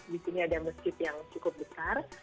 di sini ada masjid yang cukup besar